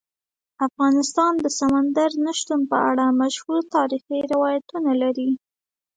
افغانستان د سمندر نه شتون په اړه مشهور تاریخی روایتونه لري.